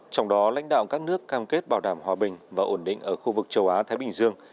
trong đó lãnh đạo các nước cam kết bảo đảm hòa bình và ổn định ở khu vực châu á thái bình dương